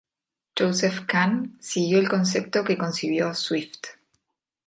Joseph Kahn siguió el concepto que concibió Swift.